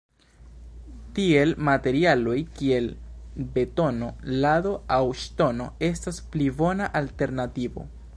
Tiel materialoj kiel betono, lado aŭ ŝtono estas pli bona alternativo.